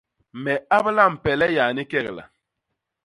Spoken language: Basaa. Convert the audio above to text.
Me abla mpele yani kegla.